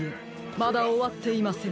まだおわっていません。